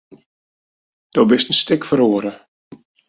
Do bist in stik feroare.